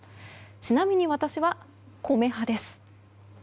ちなみに私は米派です。